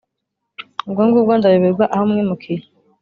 Ubwo ngubwo ndayoberwa aho mwimukiye